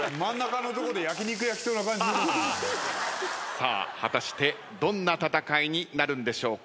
さあ果たしてどんな戦いになるんでしょうか？